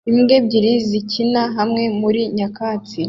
Imbwa ebyiri zikina hamwe muri nyakatsi